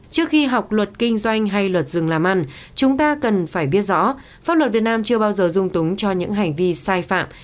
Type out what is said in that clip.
trước khi học luật kinh doanh hay luật dừng làm ăn chúng ta cần phải biết rõ pháp luật việt nam chưa bao giờ dung túng cho những hành vi sai phạm